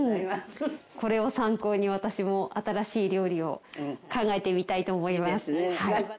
これを参考に私も新しい料理を考えてみたいと思います。